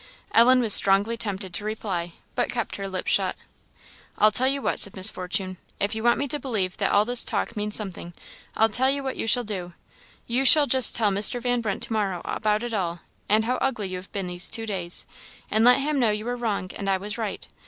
Ellen was strongly tempted to reply, but kept her lips shut. "I'll tell you what," said Miss Fortune "if you want me to believe that all this talk means something, I'll tell you what you shall do you shall just tell Mr. Van Brunt to morrow about it all, and how ugly you have been these two days, and let him know you were wrong and I was right.